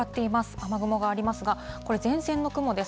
雨雲がありますが、これ、前線の雲です。